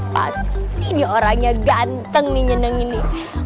pasti ini orangnya ganteng nih nyeneng ini